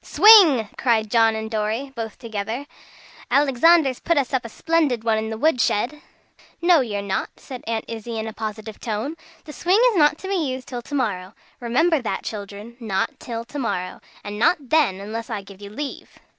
"Swing!" cried John and Dorry both together. "Alexander's put us up a splendid one in the wood shed." "No you're not," said Aunt Izzie in a positive tone, "the swing is not to be used till to morrow. Remember that, children. Not till to morrow. And not then, unless I give you leave."